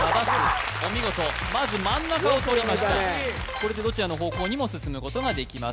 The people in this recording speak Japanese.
これでどちらの方向にも進むことができます